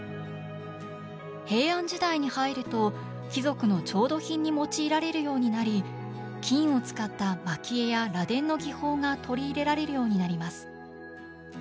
平安時代に入ると貴族の調度品に用いられるようになり金を使った蒔絵や螺鈿の技法が取り入れられるようになります。